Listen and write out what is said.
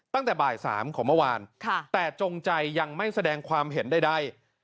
ตั้งแต่บ่าย๓ของเมื่อวานแต่จงใจยังไม่แสดงความเห็นใด